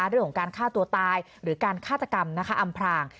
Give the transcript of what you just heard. เรื่องของการฆ่าตัวตายหรือการฆาตกรรมอำพราง